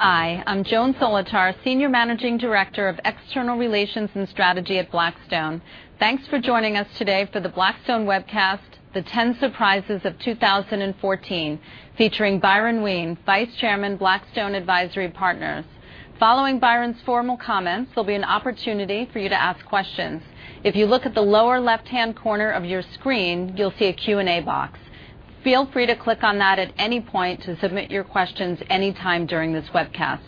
Hi, I'm Joan Solotar, Senior Managing Director of External Relations and Strategy at Blackstone. Thanks for joining us today for the Blackstone webcast, The Ten Surprises of 2014, featuring Byron Wien, Vice Chairman, Blackstone Advisory Partners. Following Byron's formal comments, there'll be an opportunity for you to ask questions. If you look at the lower left-hand corner of your screen, you'll see a Q&A box. Feel free to click on that at any point to submit your questions anytime during this webcast.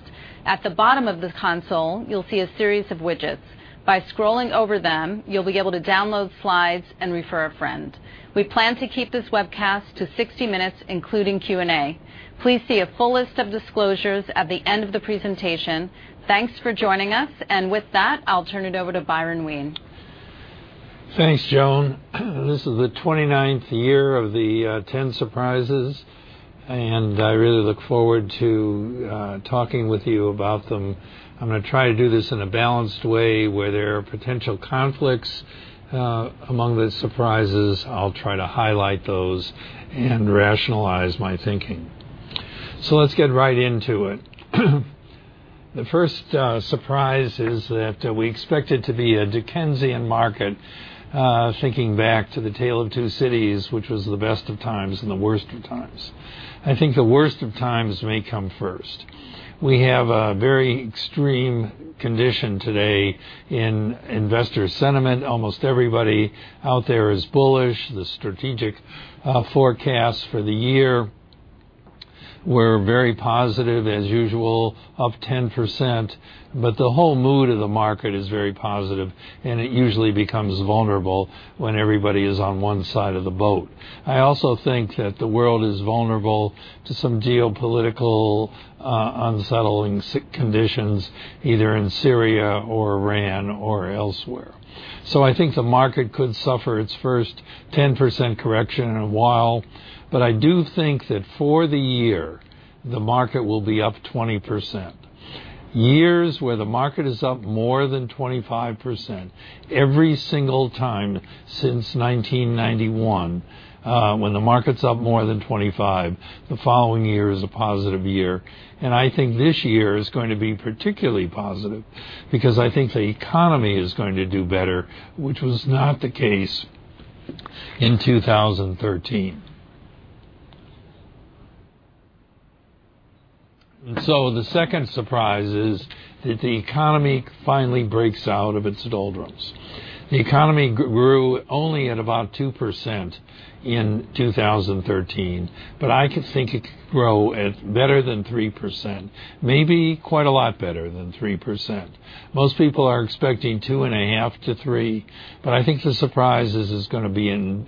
At the bottom of this console, you'll see a series of widgets. By scrolling over them, you'll be able to download slides and refer a friend. We plan to keep this webcast to 60 minutes, including Q&A. Please see a full list of disclosures at the end of the presentation. Thanks for joining us. With that, I'll turn it over to Byron Wien. Thanks, Joan. This is the 29th year of the Ten Surprises, I really look forward to talking with you about them. I'm going to try to do this in a balanced way. Where there are potential conflicts among the surprises, I'll try to highlight those and rationalize my thinking. Let's get right into it. The first surprise is that we expect it to be a Dickensian market, thinking back to "A Tale of Two Cities," which was the best of times and the worst of times. I think the worst of times may come first. We have a very extreme condition today in investor sentiment. Almost everybody out there is bullish. The strategic forecasts for the year were very positive, as usual, of 10%, the whole mood of the market is very positive, it usually becomes vulnerable when everybody is on one side of the boat. I also think that the world is vulnerable to some geopolitical, unsettling conditions, either in Syria or Iran or elsewhere. I think the market could suffer its first 10% correction in a while, I do think that for the year, the market will be up 20%. Years where the market is up more than 25%, every single time since 1991, when the market's up more than 25, the following year is a positive year. I think this year is going to be particularly positive because I think the economy is going to do better, which was not the case in 2013. The second surprise is that the economy finally breaks out of its doldrums. The economy grew only at about 2% in 2013, I think it could grow at better than 3%, maybe quite a lot better than 3%. Most people are expecting two and a half to three, I think the surprise is it's going to be in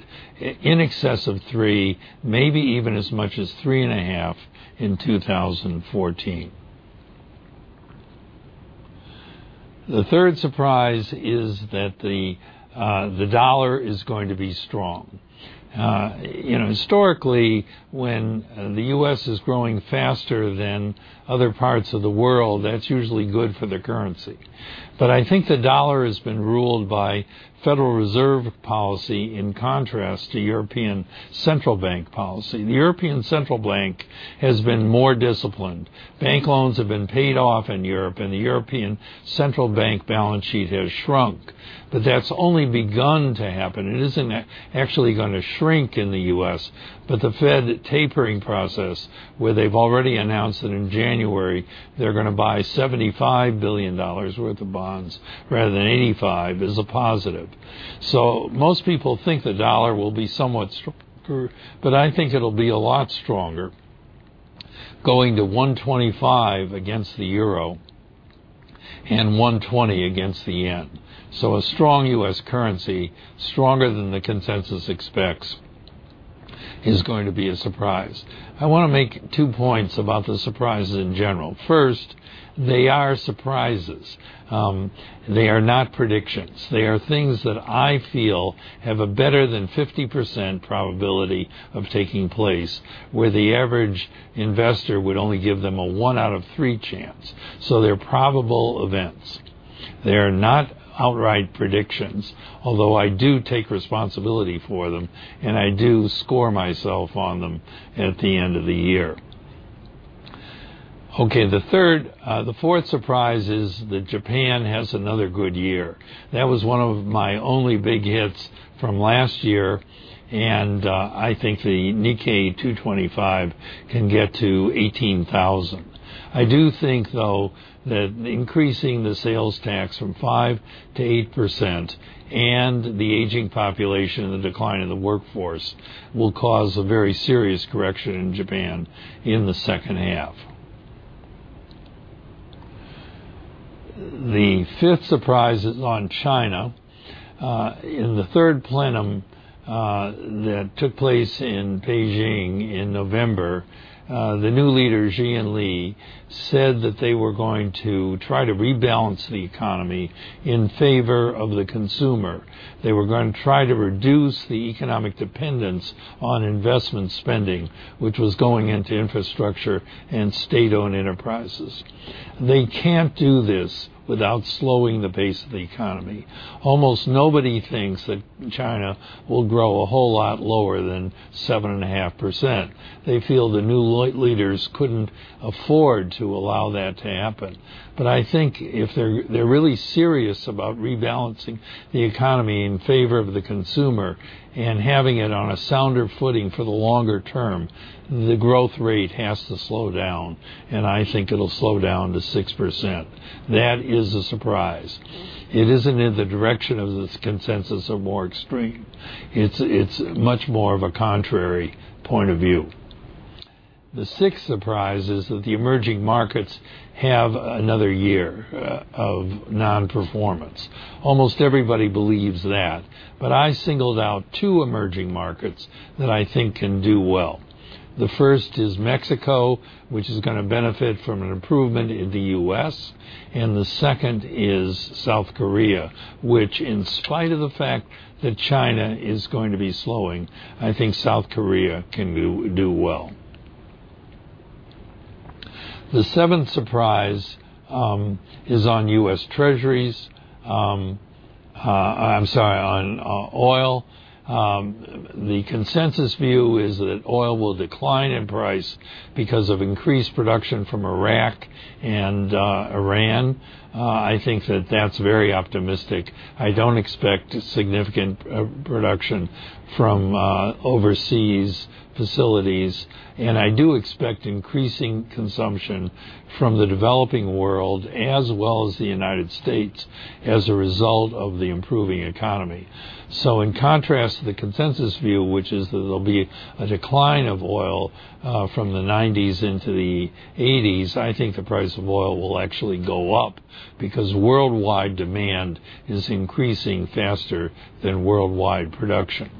excess of three, maybe even as much as three and a half in 2014. The third surprise is that the dollar is going to be strong. Historically, when the U.S. is growing faster than other parts of the world, that's usually good for the currency. I think the dollar has been ruled by Federal Reserve policy in contrast to European Central Bank policy. The European Central Bank has been more disciplined. Bank loans have been paid off in Europe, the European Central Bank balance sheet has shrunk. That's only begun to happen. It isn't actually going to shrink in the U.S. The Fed tapering process, where they're already announced that in January they're going to buy $75 billion worth of bonds rather than 85, is a positive. Most people think the dollar will be somewhat stronger, but I think it'll be a lot stronger, going to 125 against the euro and 120 against the yen. A strong U.S. currency, stronger than the consensus expects, is going to be a surprise. I want to make two points about the surprises in general. First, they are surprises. They are not predictions. They are things that I feel have a better than 50% probability of taking place, where the average investor would only give them a one out of three chance. They are probable events. They are not outright predictions, although I do take responsibility for them and I do score myself on them at the end of the year. The fourth surprise is that Japan has another good year. That was one of my only big hits from last year, and I think the Nikkei 225 can get to 18,000. I do think, though, that increasing the sales tax from 5% to 8% and the aging population and the decline in the workforce will cause a very serious correction in Japan in the second half. The fifth surprise is on China. In the Third Plenum that took place in Beijing in November, the new leaders, Xi and Li, said that they were going to try to rebalance the economy in favor of the consumer. They were going to try to reduce the economic dependence on investment spending, which was going into infrastructure and state-owned enterprises. They can't do this without slowing the pace of the economy. Almost nobody thinks that China will grow a whole lot lower than 7.5%. They feel the new leaders couldn't afford to allow that to happen. I think if they're really serious about rebalancing the economy in favor of the consumer and having it on a sounder footing for the longer term, the growth rate has to slow down, and I think it'll slow down to 6%. That is a surprise. It isn't in the direction of the consensus or more extreme. It's much more of a contrary point of view. The sixth surprise is that the emerging markets have another year of non-performance. Almost everybody believes that, but I singled out two emerging markets that I think can do well. The first is Mexico, which is going to benefit from an improvement in the U.S., The second is South Korea, which in spite of the fact that China is going to be slowing, I think South Korea can do well. The seventh surprise is on oil. The consensus view is that oil will decline in price because of increased production from Iraq and Iran. I think that that's very optimistic. I don't expect significant production from overseas facilities, and I do expect increasing consumption from the developing world as well as the United States as a result of the improving economy. In contrast to the consensus view, which is that there'll be a decline of oil from the 90s into the 80s, I think the price of oil will actually go up because worldwide demand is increasing faster than worldwide production.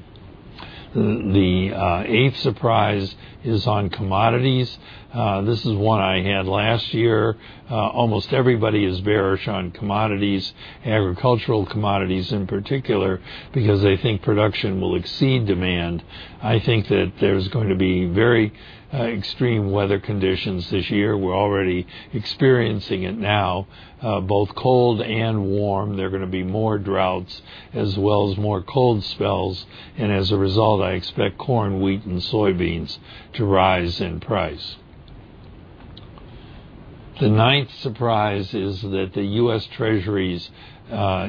The eighth surprise is on commodities. This is one I had last year. Almost everybody is bearish on commodities, agricultural commodities in particular, because they think production will exceed demand. I think that there's going to be very extreme weather conditions this year. We're already experiencing it now, both cold and warm. There are going to be more droughts as well as more cold spells, and as a result, I expect corn, wheat, and soybeans to rise in price. The ninth surprise is that the U.S. Treasuries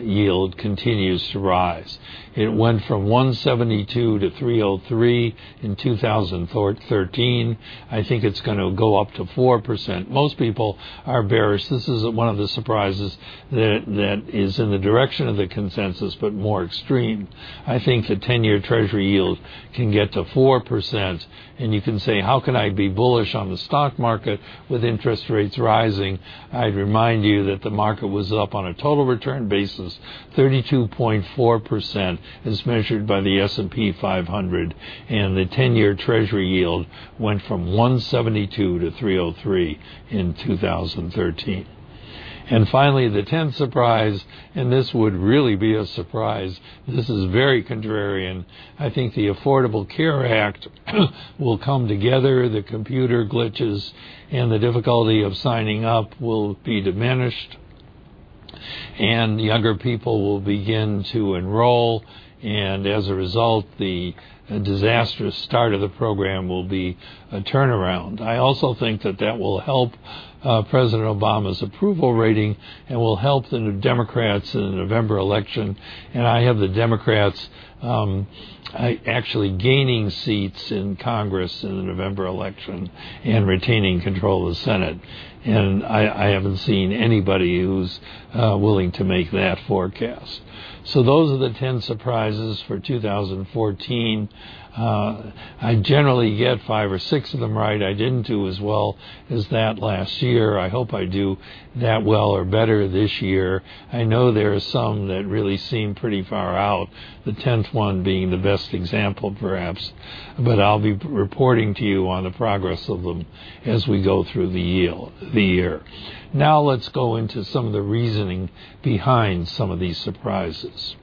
yield continues to rise. It went from 172 to 303 in 2013. I think it's going to go up to 4%. Most people are bearish. This is one of the surprises that is in the direction of the consensus, but more extreme. I think the 10-year Treasury yield can get to 4%. You can say, "How can I be bullish on the stock market with interest rates rising?" I'd remind you that the market was up on a total return basis, 32.4%, as measured by the S&P 500, the 10-year Treasury yield went from 172 to 303 in 2013. Finally, the 10th surprise, and this would really be a surprise. This is very contrarian. I think the Affordable Care Act will come together. The computer glitches and the difficulty of signing up will be diminished, and younger people will begin to enroll. As a result, the disastrous start of the program will be a turnaround. I also think that that will help President Obama's approval rating and will help the Democrats in the November election. I have the Democrats actually gaining seats in Congress in the November election and retaining control of the Senate. I haven't seen anybody who's willing to make that forecast. Those are the 10 surprises for 2014. I generally get five or six of them right. I didn't do as well as that last year. I hope I do that well or better this year. I know there are some that really seem pretty far out, the 10th one being the best example, perhaps. I'll be reporting to you on the progress of them as we go through the year. Now let's go into some of the reasoning behind some of these surprises.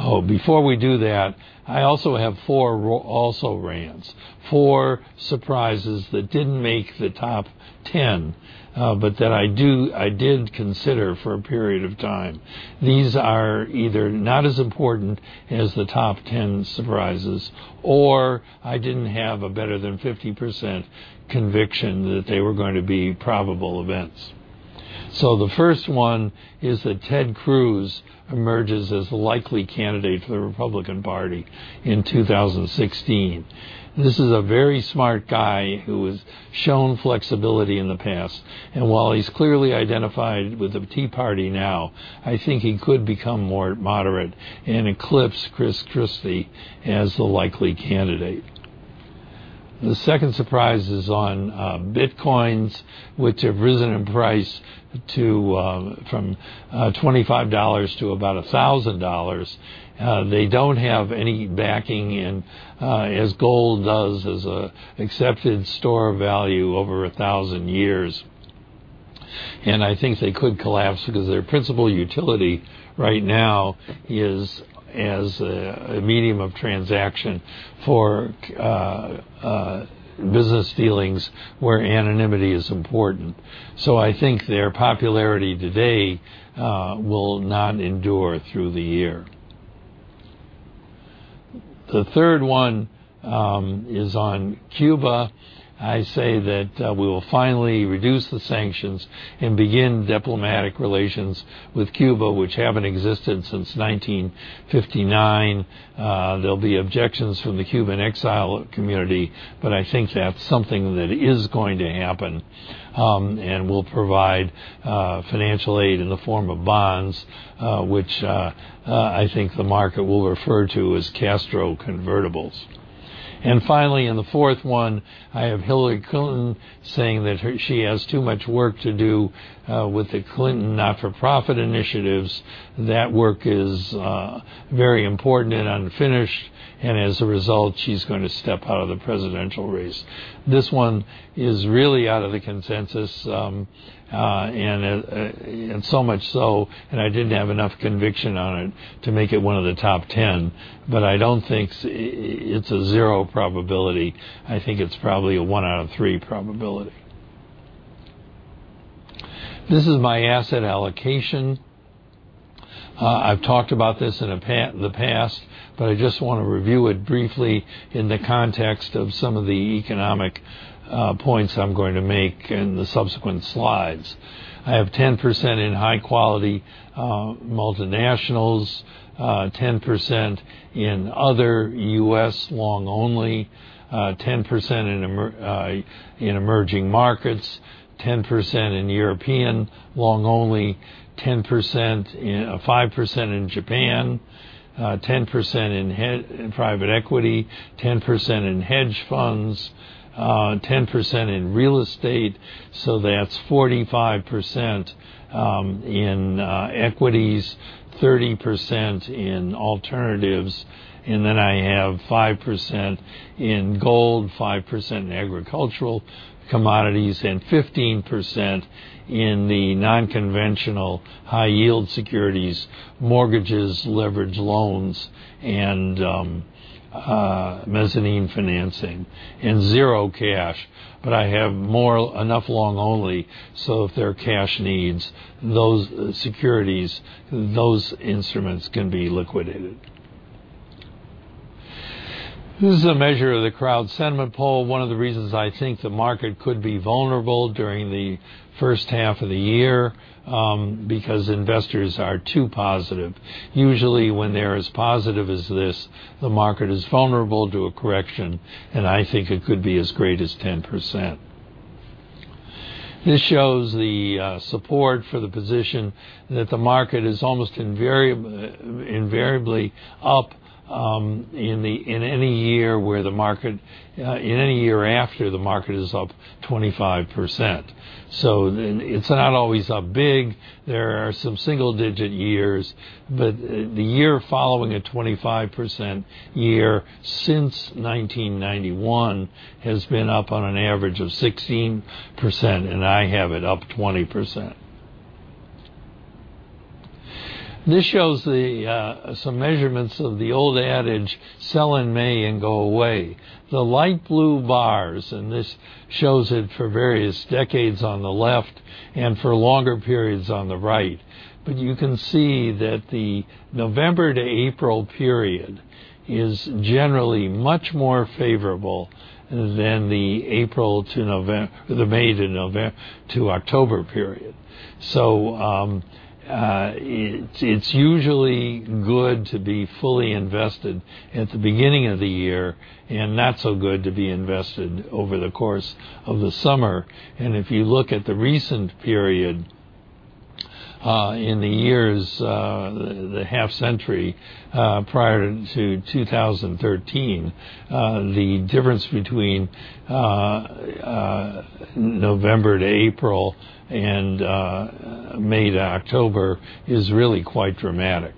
Oh, before we do that, I also have four also-rans, four surprises that didn't make the top 10, but that I did consider for a period of time. These are either not as important as the top 10 surprises, or I didn't have a better than 50% conviction that they were going to be probable events. The first one is that Ted Cruz emerges as a likely candidate for the Republican Party in 2016. This is a very smart guy who has shown flexibility in the past. While he's clearly identified with the Tea Party now, I think he could become more moderate and eclipse Chris Christie as the likely candidate. The second surprise is on bitcoins, which have risen in price from $25 to about $1,000. They don't have any backing, as gold does, as an accepted store of value over 1,000 years. I think they could collapse because their principal utility right now is as a medium of transaction for business dealings where anonymity is important. I think their popularity today will not endure through the year. The third one is on Cuba. I say that we will finally reduce the sanctions and begin diplomatic relations with Cuba, which haven't existed since 1959. There'll be objections from the Cuban exile community. I think that's something that is going to happen. We'll provide financial aid in the form of bonds, which I think the market will refer to as Castro Convertibles. Finally, in the fourth one, I have Hillary Clinton saying that she has too much work to do with the Clinton not-for-profit initiatives. That work is very important and unfinished. As a result, she's going to step out of the presidential race. This one is really out of the consensus, so much so that I didn't have enough conviction on it to make it one of the top 10. I don't think it's a zero probability. I think it's probably a one out of three probability. This is my asset allocation. I've talked about this in the past. I just want to review it briefly in the context of some of the economic points I'm going to make in the subsequent slides. I have 10% in high-quality multinationals, 10% in other U.S. long only, 10% in emerging markets, 10% in European long only, 5% in Japan, 10% in private equity, 10% in hedge funds, 10% in real estate. That's 45% in equities, 30% in alternatives. I have 5% in gold, 5% in agricultural commodities, 15% in the non-conventional high-yield securities, mortgages, leverage loans, and mezzanine financing, and zero cash. I have enough long only. If there are cash needs, those securities, those instruments can be liquidated. This is a measure of the crowd sentiment poll, one of the reasons I think the market could be vulnerable during the first half of the year, because investors are too positive. Usually, when they're as positive as this, the market is vulnerable to a correction. I think it could be as great as 10%. This shows the support for the position that the market is almost invariably up in any year after the market is up 25%. It's not always up big. There are some single-digit years. The year following a 25% year since 1991 has been up on an average of 16%. I have it up 20%. This shows some measurements of the old adage, sell in May and go away. The light blue bars. This shows it for various decades on the left and for longer periods on the right. You can see that the November to April period is generally much more favorable than the May to October period. It's usually good to be fully invested at the beginning of the year and not so good to be invested over the course of the summer. If you look at the recent period in the years, the half-century prior to 2013, the difference between November to April and May to October is really quite dramatic.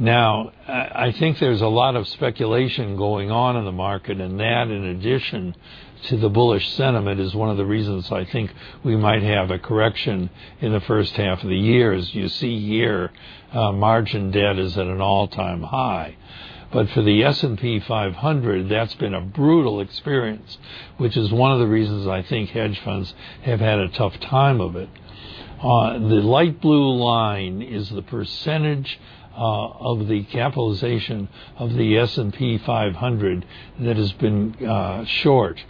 I think there's a lot of speculation going on in the market. That, in addition to the bullish sentiment, is one of the reasons I think we might have a correction in the first half of the year. As you see here, margin debt is at an all-time high. For the S&P 500, that's been a brutal experience, which is one of the reasons I think hedge funds have had a tough time of it. The light blue line is the percentage of the capitalization of the S&P 500 that has been short,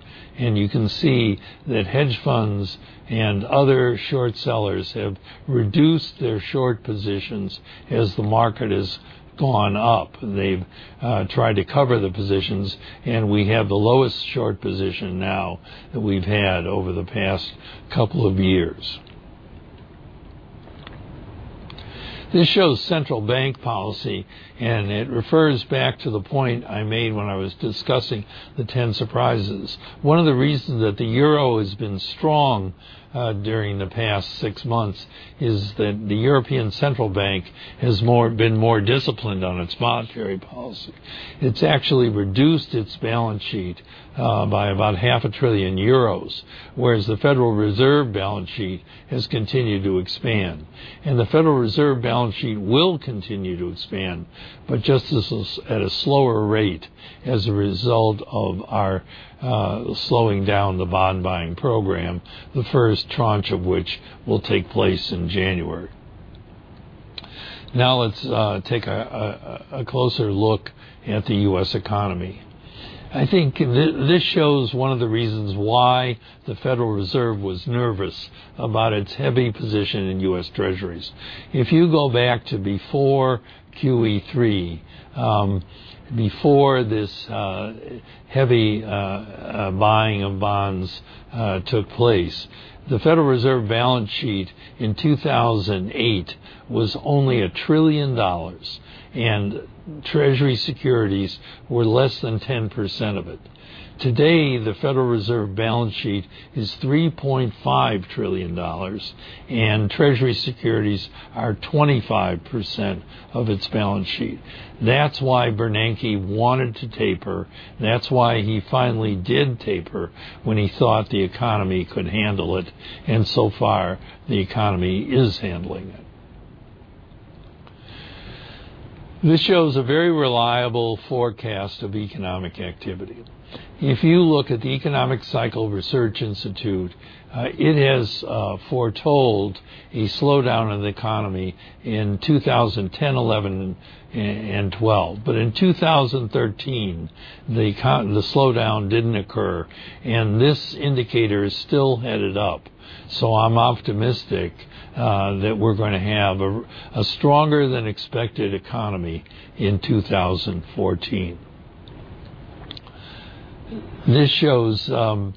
You can see that hedge funds and other short sellers have reduced their short positions as the market has gone up. They've tried to cover the positions, We have the lowest short position now that we've had over the past couple of years. This shows central bank policy, It refers back to the point I made when I was discussing the Ten Surprises. One of the reasons that the euro has been strong during the past six months is that the European Central Bank has been more disciplined on its monetary policy. It's actually reduced its balance sheet by about 500 billion euros, whereas the Federal Reserve balance sheet has continued to expand. The Federal Reserve balance sheet will continue to expand, but just at a slower rate as a result of our slowing down the bond-buying program, the first tranche of which will take place in January. Let's take a closer look at the U.S. economy. I think this shows one of the reasons why the Federal Reserve was nervous about its heavy position in U.S. Treasuries. If you go back to before QE3, before this heavy buying of bonds took place, the Federal Reserve balance sheet in 2008 was only $1 trillion, Treasury securities were less than 10% of it. Today, the Federal Reserve balance sheet is $3.5 trillion, Treasury securities are 25% of its balance sheet. That's why Bernanke wanted to taper, that's why he finally did taper when he thought the economy could handle it, So far, the economy is handling it. This shows a very reliable forecast of economic activity. If you look at the Economic Cycle Research Institute, it has foretold a slowdown of the economy in 2010, 2011, and 2012. In 2013, the slowdown didn't occur, This indicator is still headed up. I'm optimistic that we're going to have a stronger than expected economy in 2014. This shows that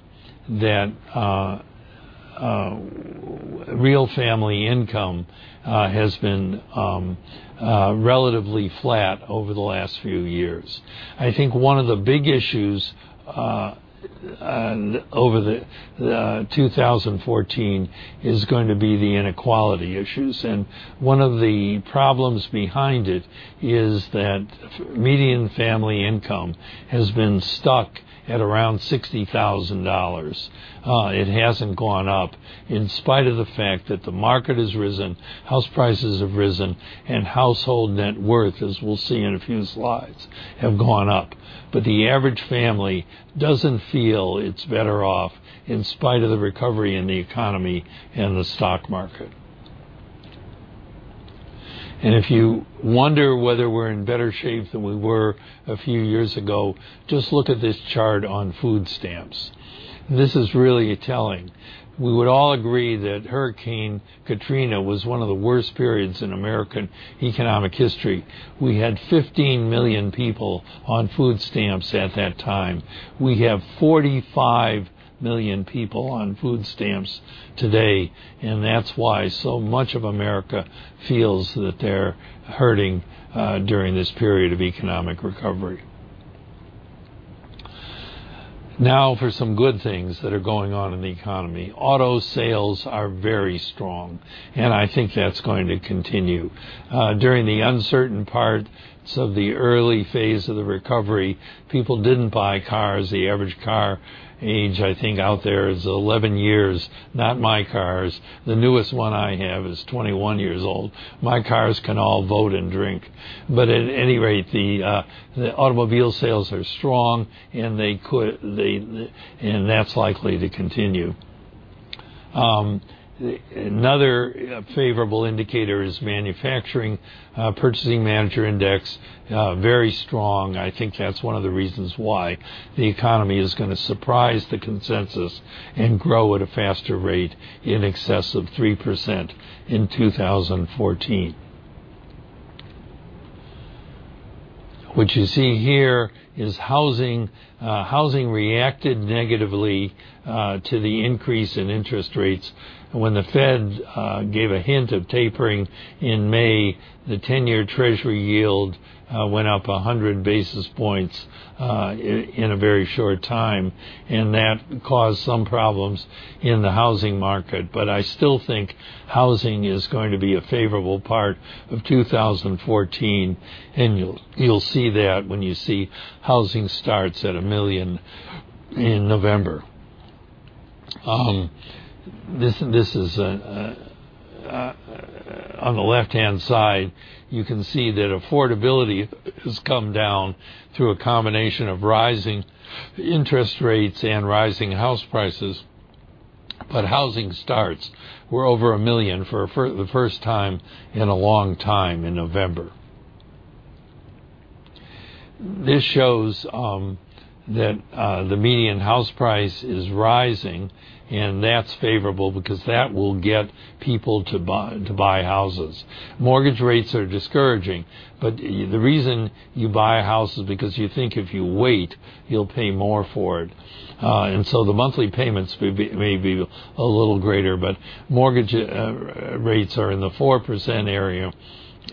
real family income has been relatively flat over the last few years. I think one of the big issues over 2014 is going to be the inequality issues, One of the problems behind it is that median family income has been stuck at around $60,000. It hasn't gone up, in spite of the fact that the market has risen, house prices have risen, and household net worth, as we'll see in a few slides, have gone up. The average family doesn't feel it's better off in spite of the recovery in the economy and the stock market. If you wonder whether we're in better shape than we were a few years ago, just look at this chart on food stamps. This is really telling. We would all agree that Hurricane Katrina was one of the worst periods in American economic history. We had 15 million people on food stamps at that time. We have 45 million people on food stamps today, That's why so much of America feels that they're hurting during this period of economic recovery. For some good things that are going on in the economy. Auto sales are very strong. I think that's going to continue. During the uncertain parts of the early phase of the recovery, people didn't buy cars. The average car age, I think, out there is 11 years. Not my cars. The newest one I have is 21 years old. My cars can all vote and drink. At any rate, the automobile sales are strong, and that's likely to continue. Another favorable indicator is manufacturing. Purchasing managers' index, very strong. I think that's one of the reasons why the economy is going to surprise the consensus and grow at a faster rate in excess of 3% in 2014. What you see here is housing. Housing reacted negatively to the increase in interest rates. When the Fed gave a hint of tapering in May, the 10-year Treasury yield went up 100 basis points in a very short time, and that caused some problems in the housing market. I still think housing is going to be a favorable part of 2014, and you'll see that when you see housing starts at 1 million in November. On the left-hand side, you can see that affordability has come down through a combination of rising interest rates and rising house prices. Housing starts were over 1 million for the first time in a long time in November. This shows that the median house price is rising, and that's favorable because that will get people to buy houses. Mortgage rates are discouraging, but the reason you buy a house is because you think if you wait, you'll pay more for it. The monthly payments may be a little greater, but mortgage rates are in the 4% area.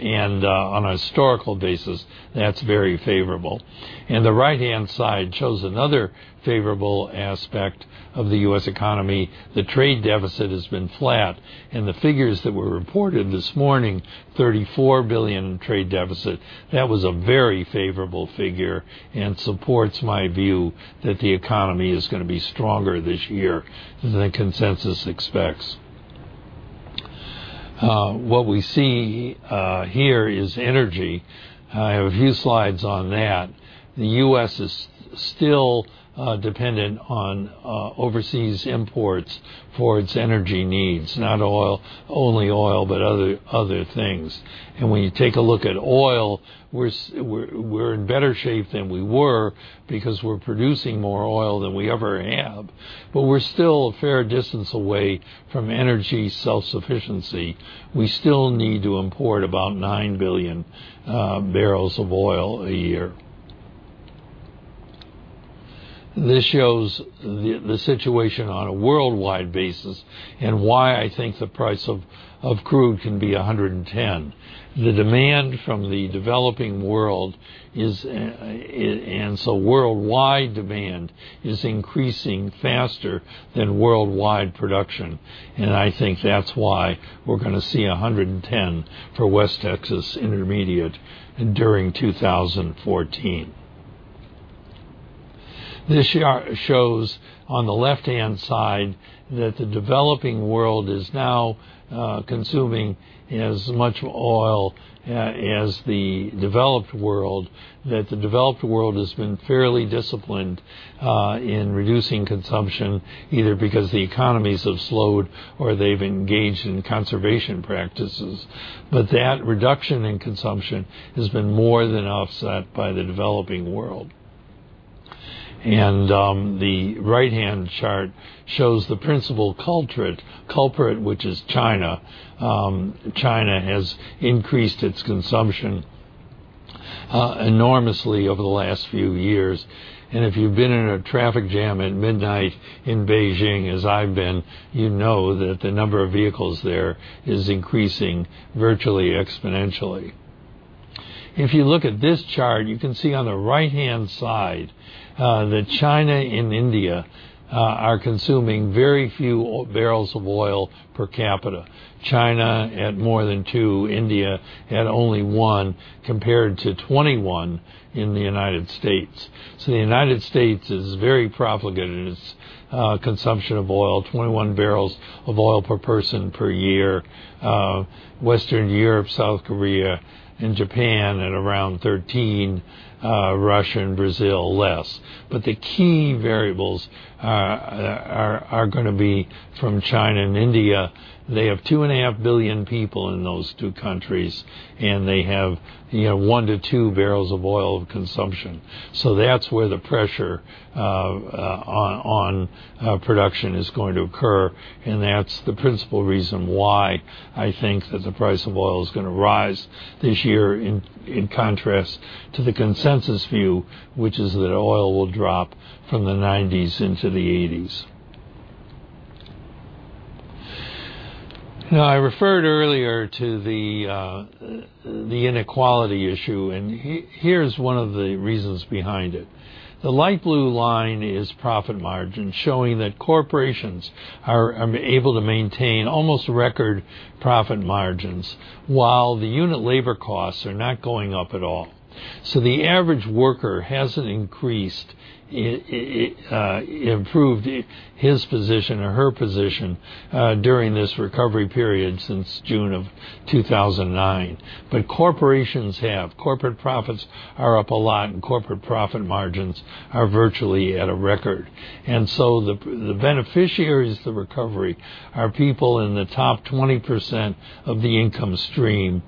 On a historical basis, that's very favorable. The right-hand side shows another favorable aspect of the U.S. economy. The trade deficit has been flat. The figures that were reported this morning, $34 billion in trade deficit, that was a very favorable figure and supports my view that the economy is going to be stronger this year than the consensus expects. What we see here is energy. I have a few slides on that. The U.S. is still dependent on overseas imports for its energy needs, not only oil, but other things. When you take a look at oil, we're in better shape than we were because we're producing more oil than we ever have, but we're still a fair distance away from energy self-sufficiency. We still need to import about 9 billion barrels of oil a year. This shows the situation on a worldwide basis and why I think the price of crude can be $110. The demand from the developing world, and so worldwide demand, is increasing faster than worldwide production, and I think that's why we're going to see $110 for West Texas Intermediate during 2014. This chart shows on the left-hand side that the developing world is now consuming as much oil as the developed world, that the developed world has been fairly disciplined in reducing consumption, either because the economies have slowed or they've engaged in conservation practices. That reduction in consumption has been more than offset by the developing world. The right-hand chart shows the principal culprit, which is China. China has increased its consumption enormously over the last few years. If you've been in a traffic jam at midnight in Beijing, as I've been, you know that the number of vehicles there is increasing virtually exponentially. If you look at this chart, you can see on the right-hand side that China and India are consuming very few barrels of oil per capita. China at more than two, India at only one, compared to 21 in the United States. The United States is very profligate in its consumption of oil, 21 barrels of oil per person per year. Western Europe, South Korea, and Japan at around 13. Russia and Brazil, less. The key variables are going to be from China and India. They have 2.5 billion people in those two countries, and they have one to two barrels of oil of consumption. That's where the pressure on production is going to occur, and that's the principal reason why I think that the price of oil is going to rise this year, in contrast to the consensus view, which is that oil will drop from the 90s into the 80s. I referred earlier to the inequality issue, and here's one of the reasons behind it. The light blue line is profit margin, showing that corporations are able to maintain almost record profit margins while the unit labor costs are not going up at all. The average worker hasn't improved his position or her position during this recovery period since June of 2009. Corporations have. Corporate profits are up a lot, and corporate profit margins are virtually at a record. The beneficiaries of the recovery are people in the top 20% of the income stream,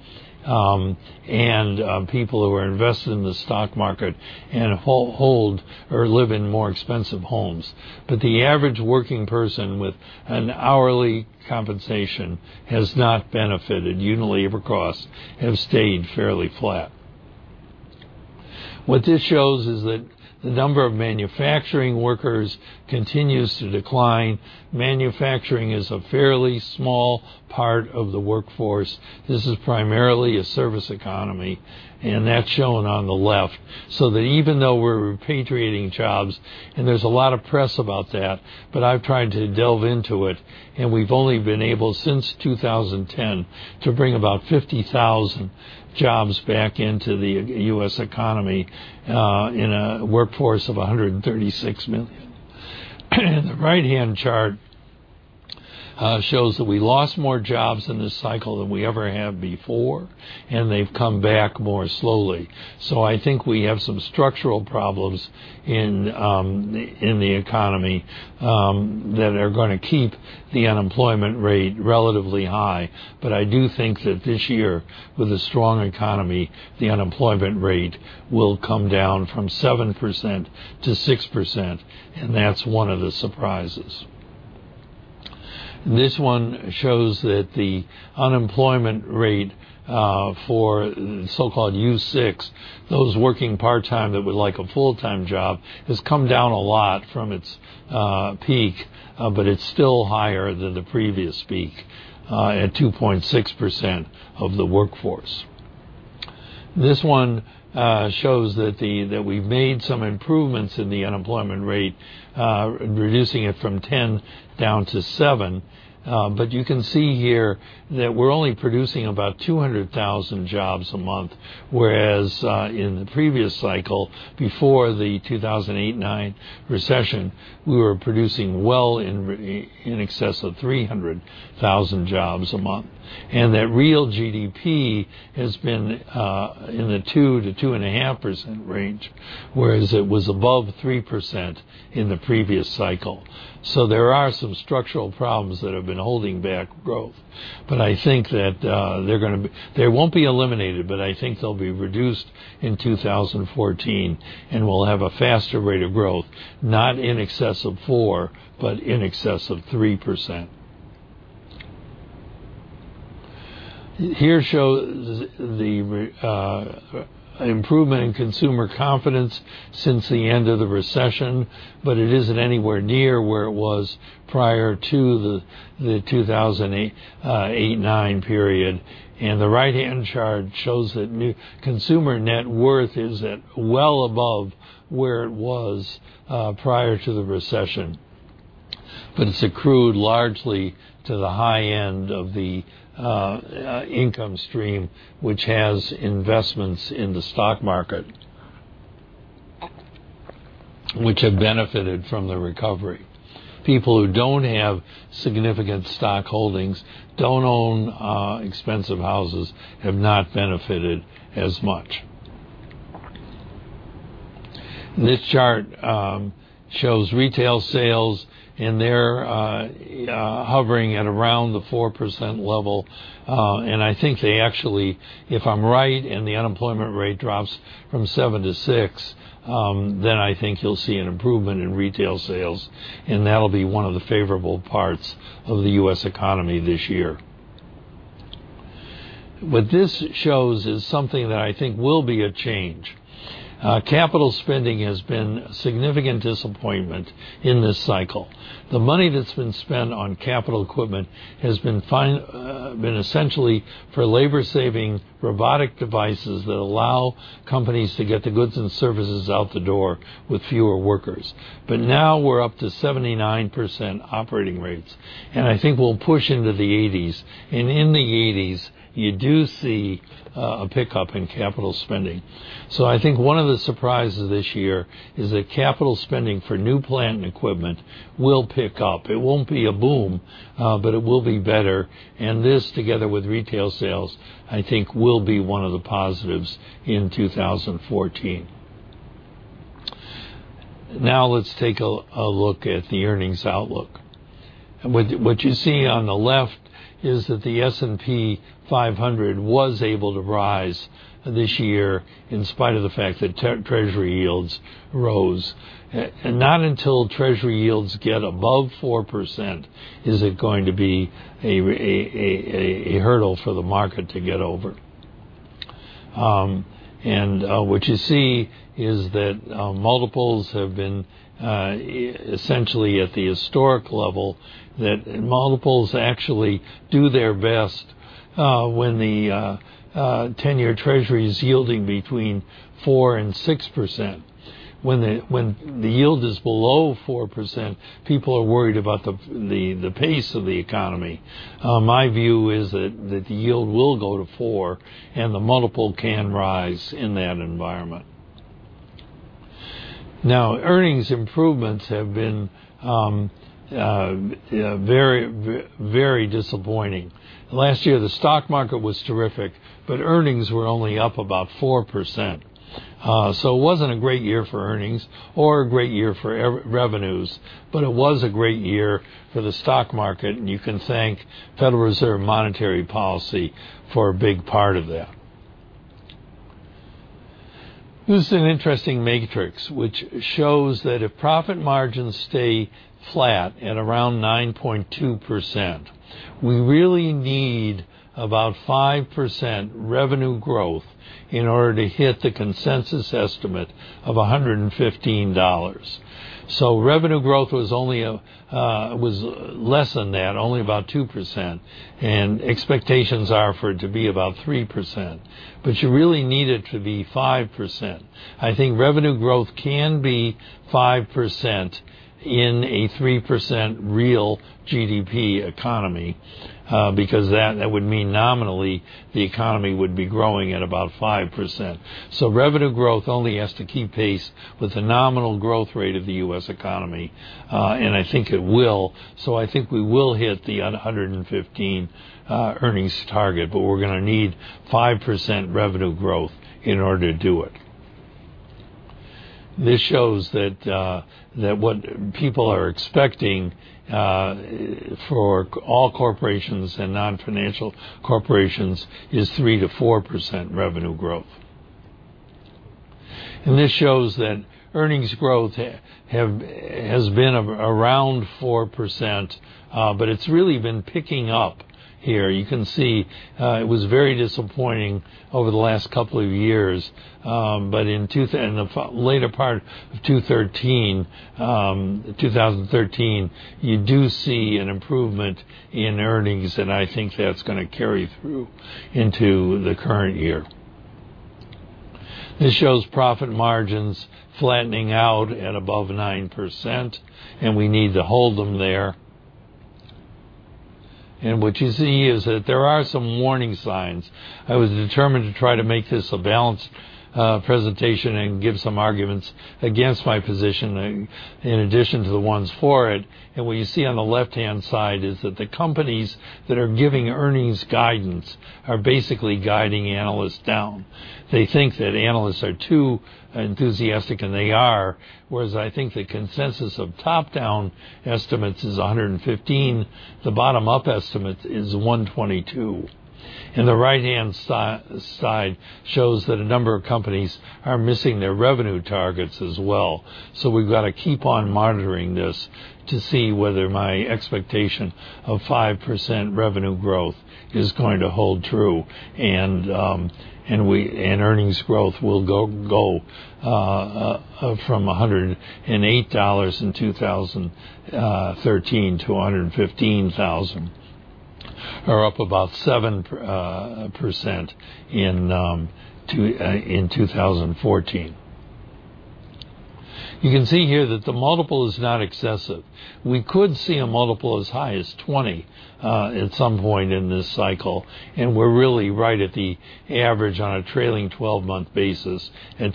and people who are invested in the stock market and hold or live in more expensive homes. The average working person with an hourly compensation has not benefited. Unit labor costs have stayed fairly flat. What this shows is that the number of manufacturing workers continues to decline. Manufacturing is a fairly small part of the workforce. This is primarily a service economy, and that's shown on the left. Even though we're repatriating jobs, and there's a lot of press about that, but I've tried to delve into it, and we've only been able, since 2010, to bring about 50,000 jobs back into the U.S. economy in a workforce of 136 million. The right-hand chart shows that we lost more jobs in this cycle than we ever have before, and they've come back more slowly. I think we have some structural problems in the economy that are going to keep the unemployment rate relatively high. I do think that this year, with a strong economy, the unemployment rate will come down from 7% to 6%, and that's one of the surprises. This one shows that the unemployment rate for so-called U-6, those working part-time that would like a full-time job, has come down a lot from its peak, but it's still higher than the previous peak at 2.6% of the workforce. This one shows that we've made some improvements in the unemployment rate, reducing it from 10 down to seven. You can see here that we're only producing about 200,000 jobs a month, whereas in the previous cycle, before the 2008/9 recession, we were producing well in excess of 300,000 jobs a month. That real GDP has been in the 2%-2.5% range, whereas it was above 3% in the previous cycle. There are some structural problems that have been holding back growth. They won't be eliminated, but I think they'll be reduced in 2014, and we'll have a faster rate of growth, not in excess of 4%, but in excess of 3%. Here shows the improvement in consumer confidence since the end of the recession, but it isn't anywhere near where it was prior to the 2008/9 period. The right-hand chart shows that new consumer net worth is at well above where it was prior to the recession. It's accrued largely to the high end of the income stream, which has investments in the stock market, which have benefited from the recovery. People who don't have significant stock holdings, don't own expensive houses, have not benefited as much. This chart shows retail sales, and they're hovering at around the 4% level. I think they actually, if I'm right, the unemployment rate drops from seven to six, I think you'll see an improvement in retail sales, and that'll be one of the favorable parts of the U.S. economy this year. What this shows is something that I think will be a change. Capital spending has been a significant disappointment in this cycle. The money that's been spent on capital equipment has been essentially for labor-saving robotic devices that allow companies to get the goods and services out the door with fewer workers. Now we're up to 79% operating rates, I think we'll push into the 80s. In the 80s, you do see a pickup in capital spending. I think one of the surprises this year is that capital spending for new plant and equipment will pick up. It won't be a boom, but it will be better, and this, together with retail sales, I think will be one of the positives in 2014. Let's take a look at the earnings outlook. What you see on the left is that the S&P 500 was able to rise this year in spite of the fact that Treasury yields rose. Not until Treasury yields get above 4% is it going to be a hurdle for the market to get over. What you see is that multiples have been essentially at the historic level, that multiples actually do their best when the 10-year Treasury is yielding between 4% and 6%. When the yield is below 4%, people are worried about the pace of the economy. My view is that the yield will go to four, and the multiple can rise in that environment. Earnings improvements have been very disappointing. Last year, the stock market was terrific, but earnings were only up about 4%. It wasn't a great year for earnings or a great year for revenues, but it was a great year for the stock market, and you can thank Federal Reserve monetary policy for a big part of that. This is an interesting matrix which shows that if profit margins stay flat at around 9.2%, we really need about 5% revenue growth in order to hit the consensus estimate of $115. Revenue growth was less than that, only about 2%, and expectations are for it to be about 3%. You really need it to be 5%. I think revenue growth can be 5% in a 3% real GDP economy, because that would mean nominally, the economy would be growing at about 5%. Revenue growth only has to keep pace with the nominal growth rate of the U.S. economy, and I think it will. I think we will hit the $115 earnings target, but we're going to need 5% revenue growth in order to do it. This shows that what people are expecting for all corporations and non-financial corporations is 3%-4% revenue growth. This shows that earnings growth has been around 4%, but it's really been picking up here. You can see it was very disappointing over the last couple of years. In the later part of 2013, you do see an improvement in earnings, and I think that's going to carry through into the current year. This shows profit margins flattening out at above 9%, and we need to hold them there. What you see is that there are some warning signs. I was determined to try to make this a balanced presentation and give some arguments against my position, in addition to the ones for it. What you see on the left-hand side is that the companies that are giving earnings guidance are basically guiding analysts down. They think that analysts are too enthusiastic, and they are. Whereas I think the consensus of top-down estimates is $115, the bottom-up estimate is $122. The right-hand side shows that a number of companies are missing their revenue targets as well. We've got to keep on monitoring this to see whether my expectation of 5% revenue growth is going to hold true, and earnings growth will go from $108 in 2013 to $115, or up about 7% in 2014. You can see here that the multiple is not excessive. We could see a multiple as high as 20 at some point in this cycle, and we're really right at the average on a trailing 12-month basis at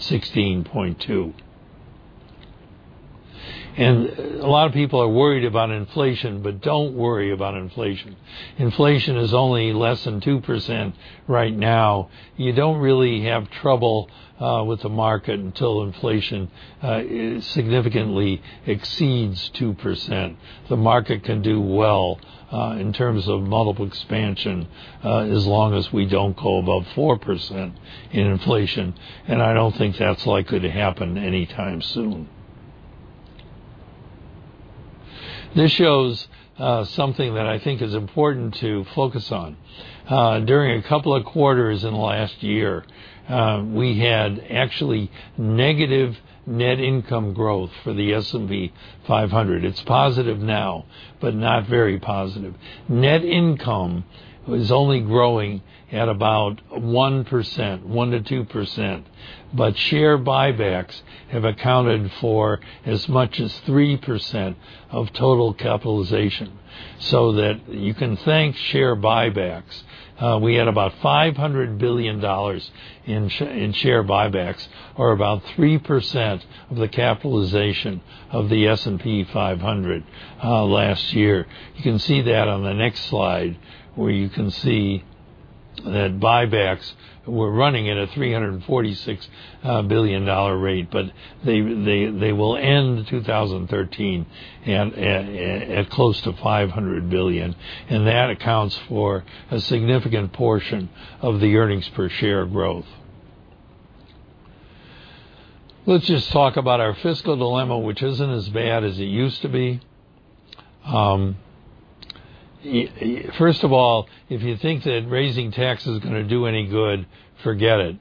16.2. A lot of people are worried about inflation, don't worry about inflation. Inflation is only less than 2% right now. You don't really have trouble with the market until inflation significantly exceeds 2%. The market can do well in terms of multiple expansion, as long as we don't go above 4% in inflation, and I don't think that's likely to happen anytime soon. This shows something that I think is important to focus on. During a couple of quarters in the last year, we had actually negative net income growth for the S&P 500. It's positive now, but not very positive. Net income was only growing at about 1%-2%, but share buybacks have accounted for as much as 3% of total capitalization. That you can thank share buybacks. We had about $500 billion in share buybacks, or about 3% of the capitalization of the S&P 500 last year. You can see that on the next slide, where you can see that buybacks were running at a $346 billion rate, but they will end 2013 at close to $500 billion, and that accounts for a significant portion of the earnings per share growth. Let's just talk about our fiscal dilemma, which isn't as bad as it used to be. First of all, if you think that raising taxes is going to do any good, forget it.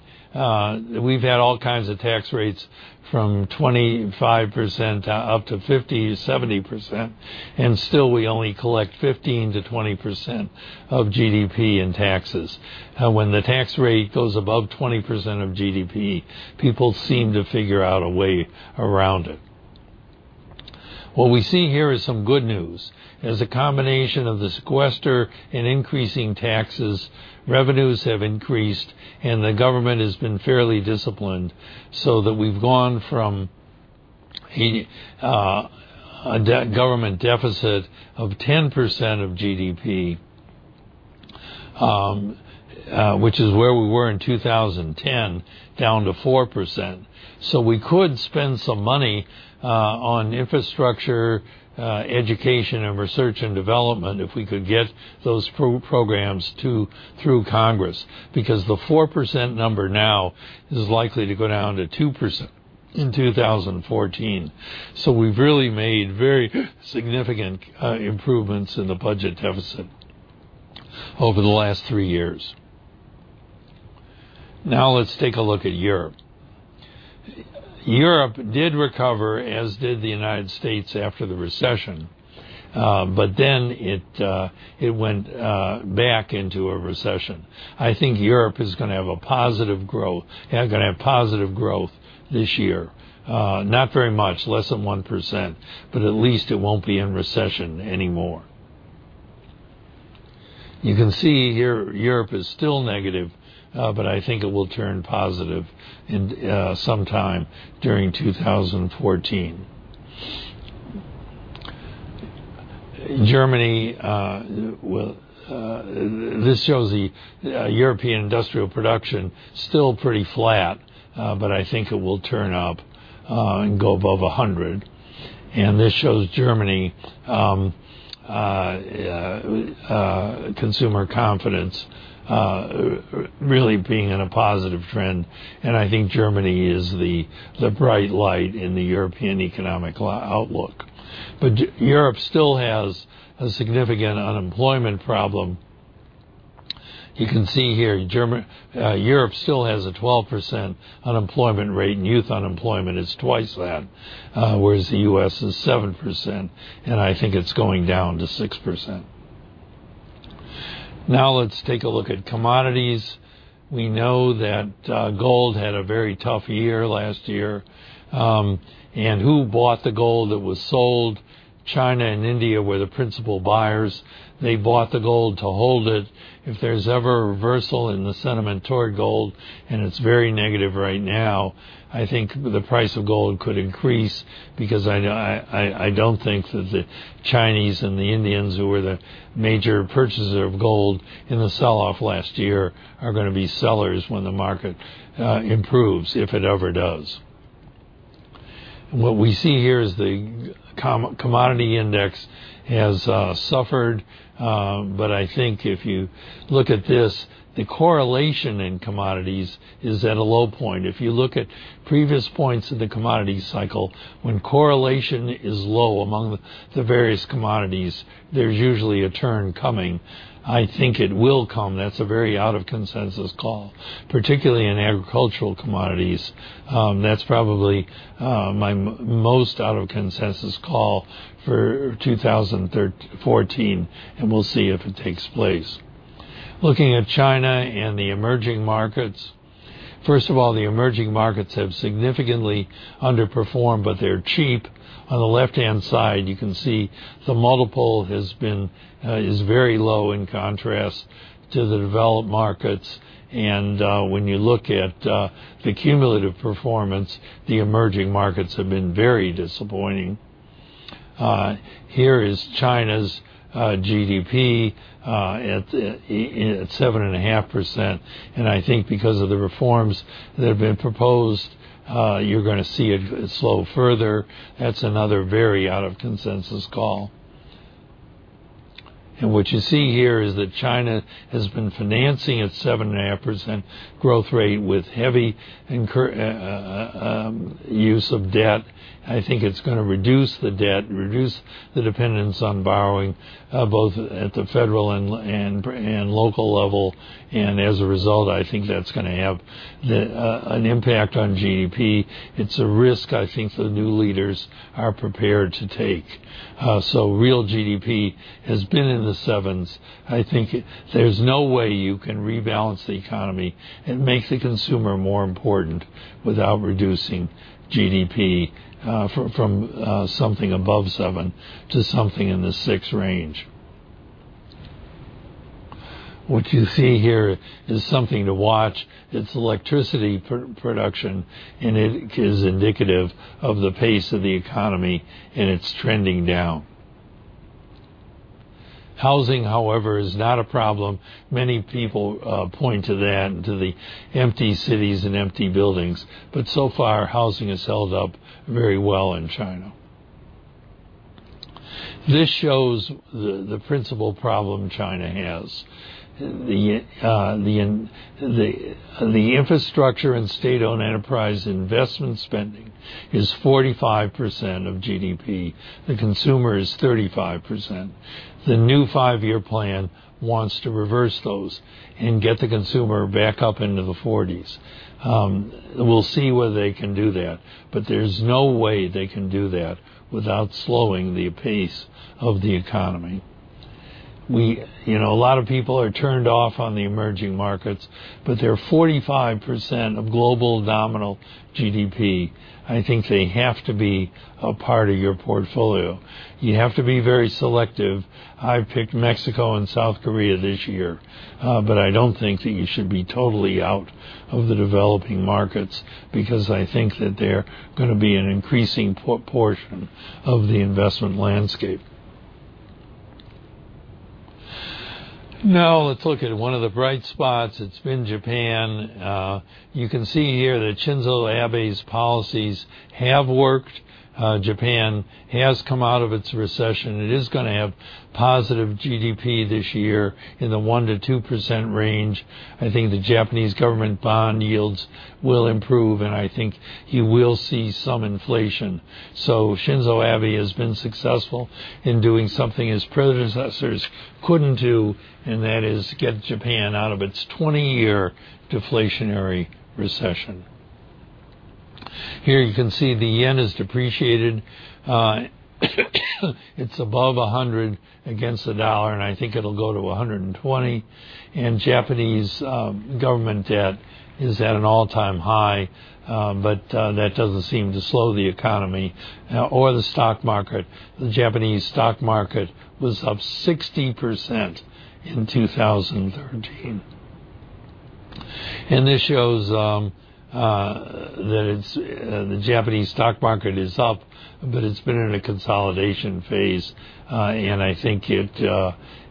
We've had all kinds of tax rates from 25% up to 50%-70%, and still we only collect 15%-20% of GDP in taxes. When the tax rate goes above 20% of GDP, people seem to figure out a way around it. What we see here is some good news. As a combination of the sequester and increasing taxes, revenues have increased, and the government has been fairly disciplined, so that we've gone from a government deficit of 10% of GDP, which is where we were in 2010, down to 4%. We could spend some money on infrastructure, education, and R&D, if we could get those programs through Congress. Because the 4% number now is likely to go down to 2% in 2014. We've really made very significant improvements in the budget deficit over the last three years. Now let's take a look at Europe. Europe did recover, as did the United States after the recession. It went back into a recession. I think Europe is going to have a positive growth this year. Not very much, less than 1%, but at least it won't be in recession anymore. You can see here Europe is still negative, but I think it will turn positive sometime during 2014. This shows the European industrial production, still pretty flat, but I think it will turn up and go above 100. This shows Germany consumer confidence really being in a positive trend, and I think Germany is the bright light in the European economic outlook. Europe still has a significant unemployment problem. You can see here, Europe still has a 12% unemployment rate, and youth unemployment is twice that, whereas the U.S. is 7%, and I think it's going down to 6%. Now let's take a look at commodities. We know that gold had a very tough year last year. Who bought the gold that was sold? China and India were the principal buyers. They bought the gold to hold it. If there's ever a reversal in the sentiment toward gold, and it's very negative right now, I think the price of gold could increase because I don't think that the Chinese and the Indians, who were the major purchasers of gold in the sell-off last year, are going to be sellers when the market improves, if it ever does. What we see here is the commodity index has suffered, but I think if you look at this, the correlation in commodities is at a low point. If you look at previous points in the commodity cycle, when correlation is low among the various commodities, there's usually a turn coming. I think it will come. That's a very out-of-consensus call, particularly in agricultural commodities. That's probably my most out-of-consensus call for 2014, and we'll see if it takes place. Looking at China and the emerging markets, first of all, the emerging markets have significantly underperformed, but they're cheap. On the left-hand side, you can see the multiple is very low in contrast to the developed markets. When you look at the cumulative performance, the emerging markets have been very disappointing. Here is China's GDP at 7.5%, and I think because of the reforms that have been proposed, you're going to see it slow further. That's another very out-of-consensus call. What you see here is that China has been financing its 7.5% growth rate with heavy use of debt. I think it's going to reduce the debt, reduce the dependence on borrowing, both at the federal and local level, and as a result, I think that's going to have an impact on GDP. It's a risk I think the new leaders are prepared to take. Real GDP has been in the sevens. I think there's no way you can rebalance the economy and make the consumer more important without reducing GDP from something above 7 to something in the 6 range. What you see here is something to watch. It's electricity production, it is indicative of the pace of the economy, and it's trending down. Housing, however, is not a problem. Many people point to that and to the empty cities and empty buildings, so far, housing has held up very well in China. This shows the principal problem China has. The infrastructure and state-owned enterprise investment spending is 45% of GDP. The consumer is 35%. The new five-year plan wants to reverse those and get the consumer back up into the 40s. We'll see whether they can do that, there's no way they can do that without slowing the pace of the economy. A lot of people are turned off on the emerging markets, they're 45% of global nominal GDP. I think they have to be a part of your portfolio. You have to be very selective. I've picked Mexico and South Korea this year, I don't think that you should be totally out of the developing markets because I think that they're going to be an increasing portion of the investment landscape. Let's look at one of the bright spots. It's been Japan. You can see here that Shinzo Abe's policies have worked. Japan has come out of its recession. It is going to have positive GDP this year in the 1%-2% range. I think the Japanese government bond yields will improve, I think you will see some inflation. Shinzo Abe has been successful in doing something his predecessors couldn't do, that is get Japan out of its 20-year deflationary recession. Here you can see the yen has depreciated. It's above 100 against the U.S. dollar, I think it'll go to 120. Japanese government debt is at an all-time high, that doesn't seem to slow the economy or the stock market. The Japanese stock market was up 16% in 2013. This shows that the Japanese stock market is up, it's been in a consolidation phase, I think it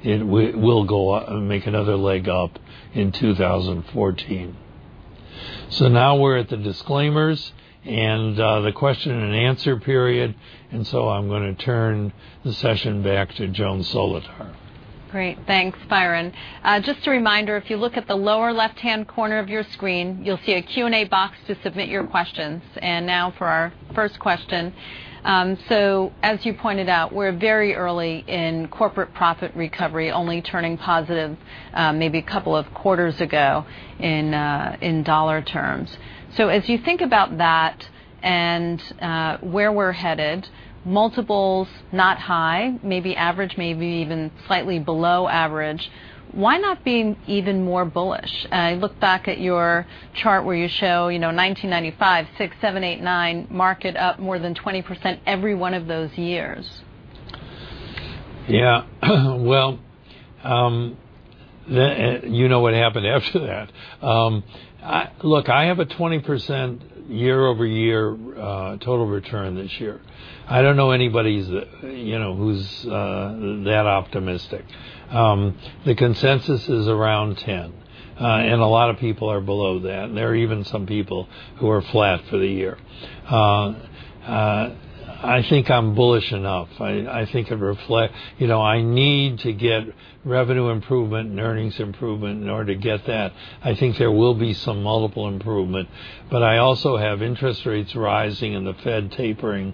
will make another leg up in 2014. Now we're at the disclaimers and the question and answer period, I'm going to turn the session back to Joan Solotar. Great. Thanks, Byron. Just a reminder, if you look at the lower left-hand corner of your screen, you'll see a Q&A box to submit your questions. Now for our first question. As you pointed out, we're very early in corporate profit recovery, only turning positive maybe a couple of quarters ago in dollar terms. As you think about that and where we're headed, multiples, not high, maybe average, maybe even slightly below average. Why not being even more bullish? I look back at your chart where you show 1995, 1996, 1997, 1998, 1999, market up more than 20% every one of those years. Well, you know what happened after that. Look, I have a 20% year-over-year total return this year. I don't know anybody who's that optimistic. The consensus is around 10, and a lot of people are below that, and there are even some people who are flat for the year. I think I'm bullish enough. I need to get revenue improvement and earnings improvement in order to get that. I think there will be some multiple improvement, but I also have interest rates rising and the Fed tapering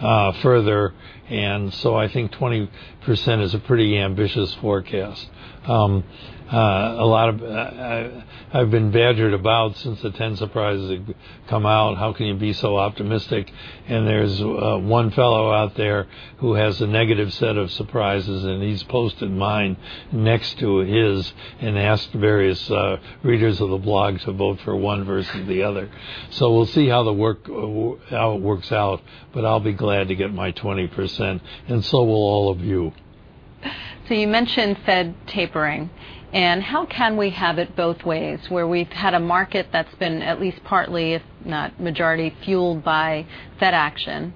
further. So I think 20% is a pretty ambitious forecast. I've been badgered about since the Ten Surprises come out, "How can you be so optimistic?" There's one fellow out there who has a negative set of surprises, and he's posted mine next to his and asked various readers of the blog to vote for one versus the other. We'll see how it works out, but I'll be glad to get my 20%, and so will all of you. You mentioned Fed tapering. How can we have it both ways, where we've had a market that's been at least partly, if not majority, fueled by Fed action,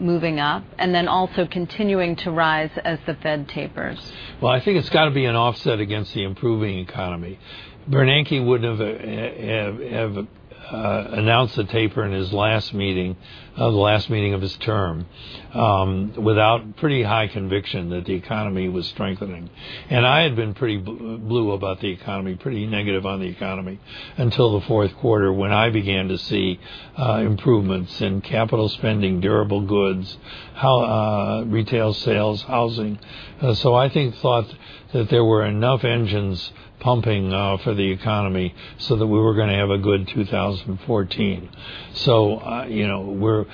moving up, and then also continuing to rise as the Fed tapers? I think it's got to be an offset against the improving economy. Bernanke wouldn't have announced a taper in the last meeting of his term without pretty high conviction that the economy was strengthening. I had been pretty blue about the economy, pretty negative on the economy, until the fourth quarter when I began to see improvements in capital spending, durable goods, retail sales, housing. I thought that there were enough engines pumping now for the economy that we were going to have a good 2014. We're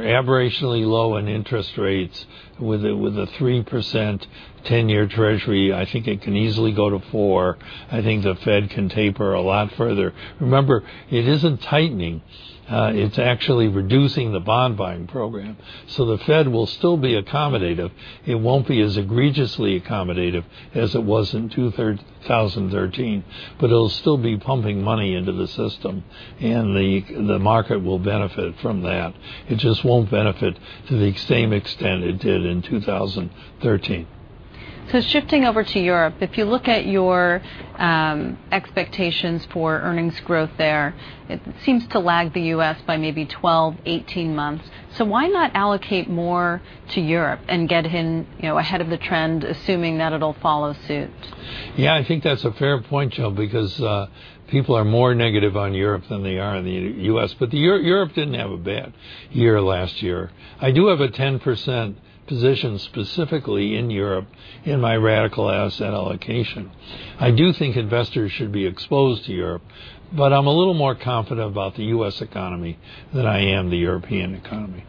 aberrationally low on interest rates with a 3% 10-year Treasury. I think it can easily go to four. I think the Fed can taper a lot further. Remember, it isn't tightening. It's actually reducing the bond-buying program. The Fed will still be accommodative. It won't be as egregiously accommodative as it was in 2013, but it'll still be pumping money into the system, and the market will benefit from that. It just won't benefit to the same extent it did in 2013. Shifting over to Europe, if you look at your expectations for earnings growth there, it seems to lag the U.S. by maybe 12, 18 months. Why not allocate more to Europe and get in ahead of the trend, assuming that it'll follow suit? I think that's a fair point, Joan, because people are more negative on Europe than they are in the U.S. Europe didn't have a bad year last year. I do have a 10% position specifically in Europe in my radical asset allocation. I do think investors should be exposed to Europe, but I'm a little more confident about the U.S. economy than I am the European economy.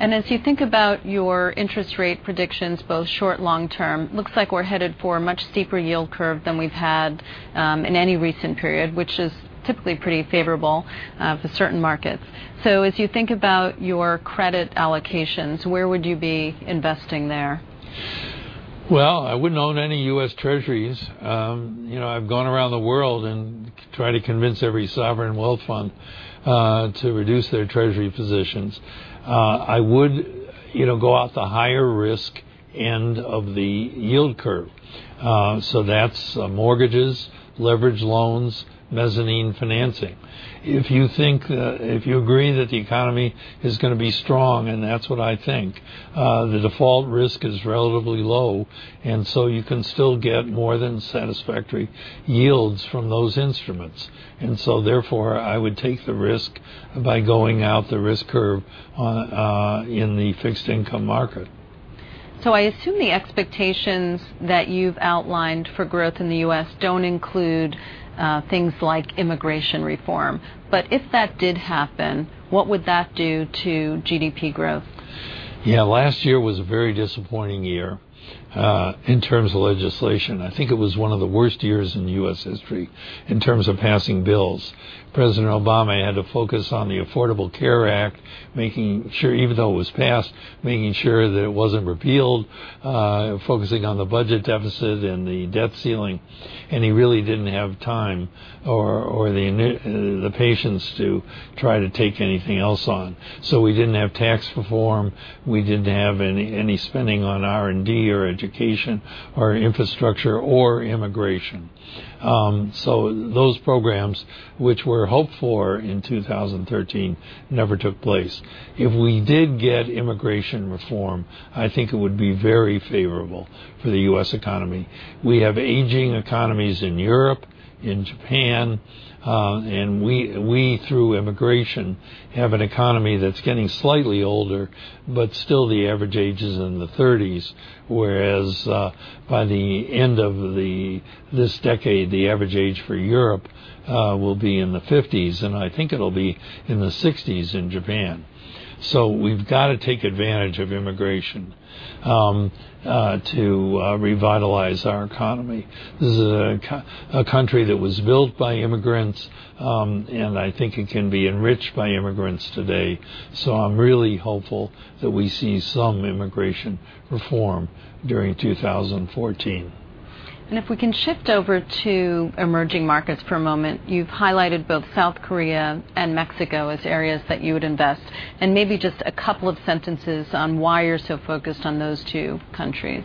As you think about your interest rate predictions, both short, long-term, looks like we're headed for a much steeper yield curve than we've had in any recent period, which is typically pretty favorable for certain markets. As you think about your credit allocations, where would you be investing there? Well, I wouldn't own any U.S. Treasuries. I've gone around the world and tried to convince every sovereign wealth fund to reduce their Treasury positions. I would go out the higher risk end of the yield curve. That's mortgages, leverage loans, mezzanine financing. If you agree that the economy is going to be strong, and that's what I think, the default risk is relatively low, and so you can still get more than satisfactory yields from those instruments. Therefore, I would take the risk by going out the risk curve in the fixed income market. I assume the expectations that you've outlined for growth in the U.S. don't include things like immigration reform. If that did happen, what would that do to GDP growth? Yeah. Last year was a very disappointing year in terms of legislation. I think it was one of the worst years in U.S. history in terms of passing bills. President Obama had to focus on the Affordable Care Act, even though it was passed, making sure that it wasn't repealed, focusing on the budget deficit and the debt ceiling, and he really didn't have time or the patience to try to take anything else on. We didn't have tax reform. We didn't have any spending on R&D or education or infrastructure or immigration. Those programs, which were hoped for in 2013, never took place. If we did get immigration reform, I think it would be very favorable for the U.S. economy. We have aging economies in Europe, in Japan, and we, through immigration, have an economy that's getting slightly older, but still the average age is in the 30s, whereas by the end of this decade, the average age for Europe will be in the 50s, and I think it will be in the 60s in Japan. We've got to take advantage of immigration to revitalize our economy. This is a country that was built by immigrants, and I think it can be enriched by immigrants today. I'm really hopeful that we see some immigration reform during 2014. If we can shift over to emerging markets for a moment, you've highlighted both South Korea and Mexico as areas that you would invest. Maybe just a couple of sentences on why you're so focused on those two countries.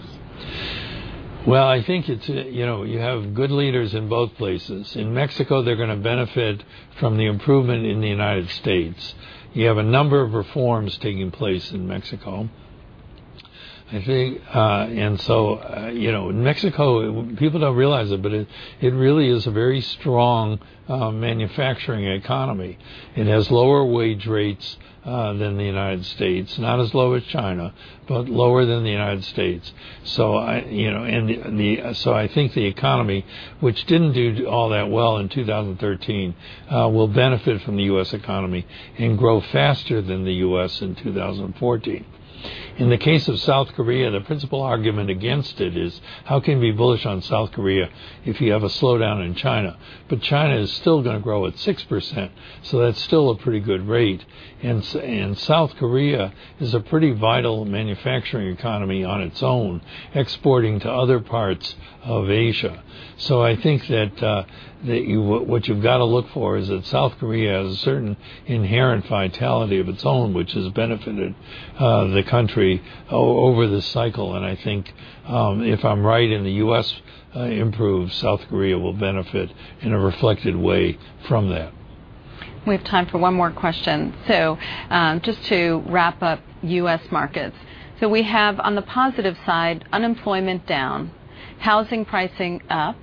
Well, I think you have good leaders in both places. In Mexico, they're going to benefit from the improvement in the United States. You have a number of reforms taking place in Mexico. In Mexico, people don't realize it, but it really is a very strong manufacturing economy. It has lower wage rates than the United States. Not as low as China, but lower than the United States. I think the economy, which didn't do all that well in 2013, will benefit from the U.S. economy and grow faster than the U.S. in 2014. In the case of South Korea, the principal argument against it is how can we be bullish on South Korea if you have a slowdown in China? China is still going to grow at 6%, so that's still a pretty good rate. South Korea is a pretty vital manufacturing economy on its own, exporting to other parts of Asia. I think that what you've got to look for is that South Korea has a certain inherent vitality of its own, which has benefited the country over the cycle. I think, if I'm right and the U.S. improves, South Korea will benefit in a reflected way from that. We have time for one more question. Just to wrap up U.S. markets. We have, on the positive side, unemployment down, housing pricing up,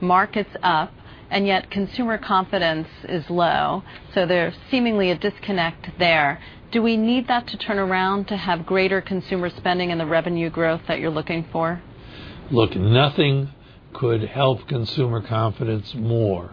markets up, and yet consumer confidence is low. There's seemingly a disconnect there. Do we need that to turn around to have greater consumer spending and the revenue growth that you're looking for? Look, nothing could help consumer confidence more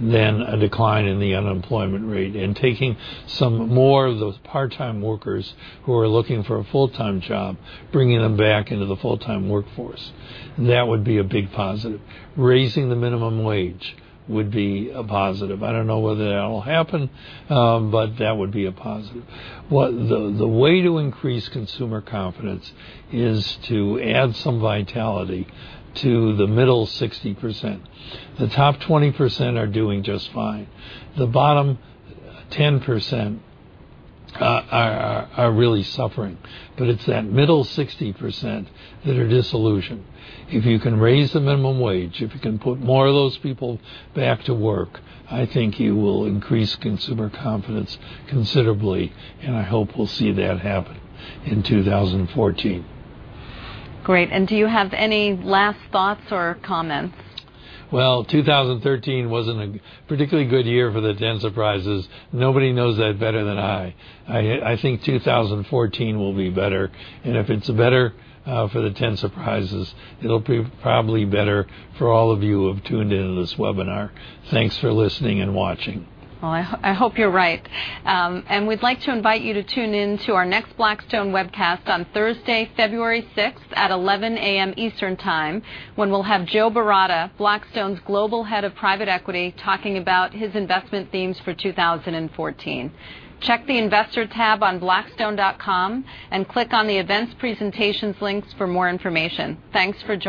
than a decline in the unemployment rate and taking some more of those part-time workers who are looking for a full-time job, bringing them back into the full-time workforce. That would be a big positive. Raising the minimum wage would be a positive. I don't know whether that'll happen, but that would be a positive. The way to increase consumer confidence is to add some vitality to the middle 60%. The top 20% are doing just fine. The bottom 10% are really suffering. It's that middle 60% that are disillusioned. If you can raise the minimum wage, if you can put more of those people back to work, I think you will increase consumer confidence considerably, and I hope we'll see that happen in 2014. Great. Do you have any last thoughts or comments? Well, 2013 wasn't a particularly good year for the Ten Surprises. Nobody knows that better than I. I think 2014 will be better. If it's better for the Ten Surprises, it'll be probably better for all of you who have tuned into this webinar. Thanks for listening and watching. Well, I hope you're right. We'd like to invite you to tune in to our next Blackstone webcast on Thursday, February 6th at 11:00 A.M. Eastern Time, when we'll have Joe Baratta, Blackstone's Global Head of Private Equity, talking about his investment themes for 2014. Check the investor tab on blackstone.com and click on the Events Presentations links for more information. Thanks for joining